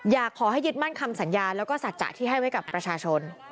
อยากให้ยึดมั่นคำสัญญาแล้วก็สัจจะที่ให้ไว้กับประชาชน